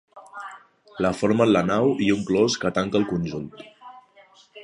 La formen la nau i un clos que tanca el conjunt.